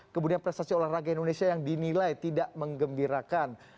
kemudian prestasi olahraga indonesia yang dinilai tidak mengembirakan